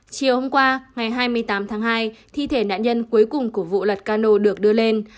chiều hôm qua ngày hai mươi tám tháng hai thi thể nạn nhân cuối cùng của vụ lật cano được đưa lên